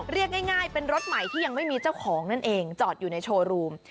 เรียกง่ายเป็นรถใหม่ที่ยังไม่มีเจ้าของนั่นเองจอดอยู่ในโชว์รูม